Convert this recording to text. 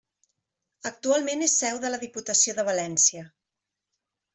Actualment és seu de la Diputació de València.